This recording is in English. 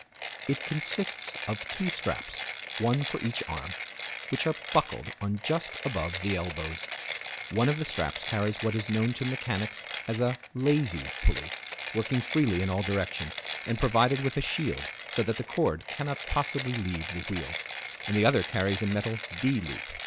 It consists of two straps, one for each arm, which are buckled on just above the elbows. One of the straps carries what is known to mechanics as a"lazy" pulley, working freely in all directions, and provided with a shield, so that the cord cannot possibly leave the wheel; and the other carries a metal "D" loop.